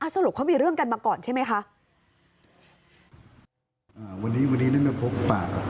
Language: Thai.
สรุปเขามีเรื่องกันมาก่อนใช่ไหมคะ